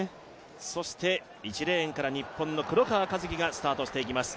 そして１レーンから日本の黒川和樹がスタートしていきます。